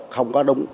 không có đúng